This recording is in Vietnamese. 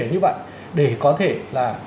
như vậy để có thể là